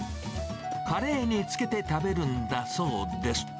カレーにつけて食べるんだそうです。